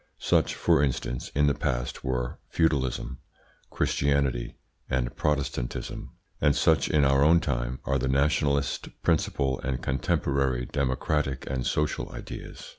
Such, for instance, in the past were feudalism, Christianity, and Protestantism; and such, in our own time, are the nationalist principle and contemporary democratic and social ideas.